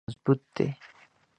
مټ یې مضبوط دی.